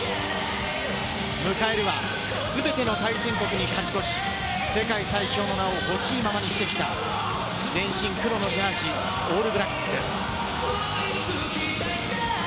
迎えるは、全ての対戦国に勝ち越し、世界最強の名をほしいままにしてきた、全身黒のジャージー、オールブラックスです。